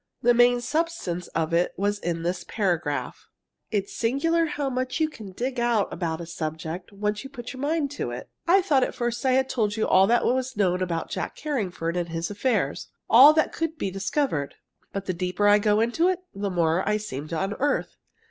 The main substance of it was in this paragraph: It's singular how much you can dig out about a subject, once you put your mind to it. I thought at first that I had told you all that was known about Jack Carringford and his affairs all that could be discovered. But the deeper I go into it, the more I seem to unearth.